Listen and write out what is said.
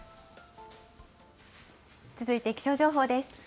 続いて気象情報です。